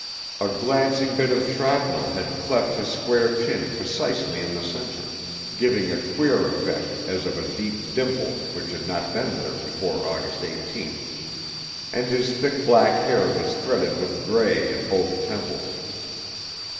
A glancing bit of shrapnel had cleft his square chin precisely in the center, giving a queer effect as of a deep dimple which had not been there before August 18th; and his thick black hair was threaded with gray at both temples.